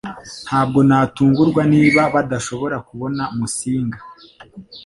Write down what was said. Ntabwo natungurwa niba badashobora kubona Musinga